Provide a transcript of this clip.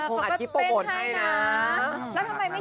เพราะว่าใจแอบในเจ้า